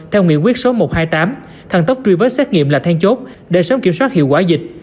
theo nguyện quyết số một trăm hai mươi tám thẳng tốc truy vết xét nghiệm là thang chốt để sớm kiểm soát hiệu quả dịch